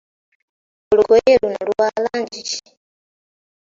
Olugoye luno lwa langi ki?